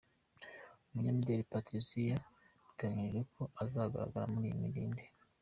Umunyamideli Patricia biteganyijwe ko azagaragara muri iyi ndirimbo .